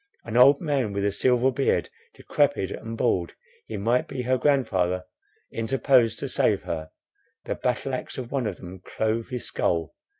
An old man, with a silver beard, decrepid and bald, he might be her grandfather, interposed to save her; the battle axe of one of them clove his skull.